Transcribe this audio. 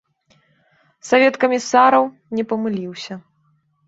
Савет камісараў не памыліўся.